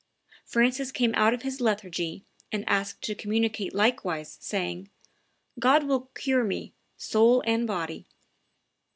Francis came out of his lethargy, and asked to communicate likewise, saying, "God will cure me, soul and body."